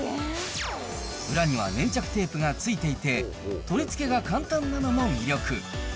裏には粘着テープがついていて、取り付けが簡単なのも魅力。